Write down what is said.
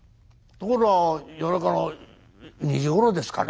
ところが夜中の２時ごろですかねえ